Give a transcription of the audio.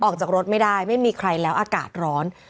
ออกจากรถไม่ได้ไม่มีใครแล้วอากาศร้อน